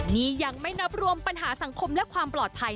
นี่ยังไม่นับรวมปัญหาสังคมและความปลอดภัย